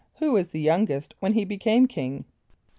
= Who was the youngest when he became king?